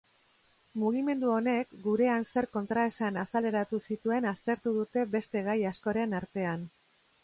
Mugimendu honek gurean zer kontraesan azaleratu zituen aztertu dute beste gai askoren artean.